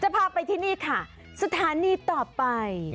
พาไปที่นี่ค่ะสถานีต่อไป